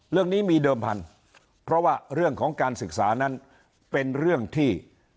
เรื่องนี้มีเดิมพันธุ์เพราะว่าเรื่องของการศึกษานั้นเป็นเรื่องที่